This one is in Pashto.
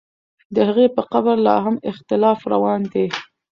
د هغې په قبر لا هم اختلاف روان دی.